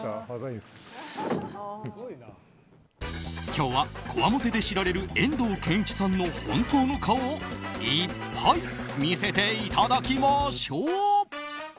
今日はこわもてで知られる遠藤憲一さんの本当の顔をいっぱい見せていただきましょう。